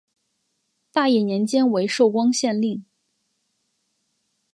大业年间为寿光县令。